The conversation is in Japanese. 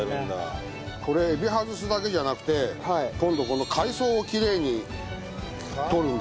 これエビ外すだけじゃなくて今度この海藻をきれいに取るんですよ。